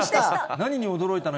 何に驚いたの？